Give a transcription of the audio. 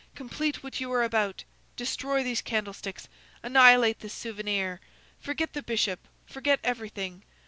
"Complete what you are about! Destroy these candlesticks! Annihilate this souvenir! Forget the Bishop! Forget everything!